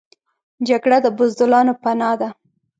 جګړه د بزدلانو پناه ده